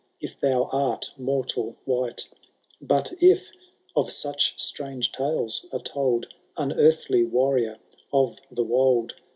If thou art mortal wight ! But if— of such strange tales are told,— Unearthly warrior of the wold.